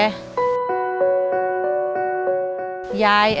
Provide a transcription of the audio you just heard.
ยายอายุ๙๑ปี